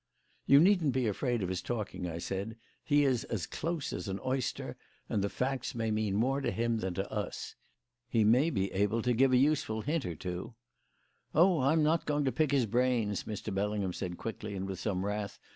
"You needn't be afraid of his talking," I said. "He is as close as an oyster; and the facts may mean more to him than to us. He may be able to give a useful hint or two." "Oh, I'm not going to pick his brains," Mr. Bellingham said quickly and with some wrath.